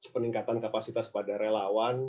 peningkatan kapasitas pada relawan